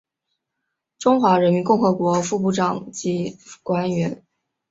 中华人民共和国副部长级官员。